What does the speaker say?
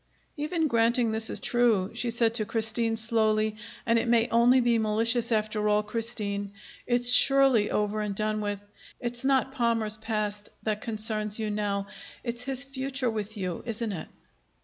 "Even granting this to be true," she said to Christine slowly, "and it may only be malicious after all, Christine, it's surely over and done with. It's not Palmer's past that concerns you now; it's his future with you, isn't it?"